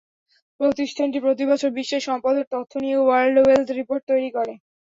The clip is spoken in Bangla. প্রতিষ্ঠানটি প্রতিবছর বিশ্বের সম্পদের তথ্য নিয়ে ওয়ার্ল্ড ওয়েলথ রিপোর্ট তৈরি করে।